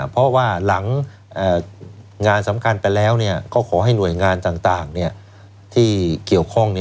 เพราะว่าหลังงานสำคัญไปแล้วก็ขอให้หน่วยงานต่างที่เกี่ยวข้อง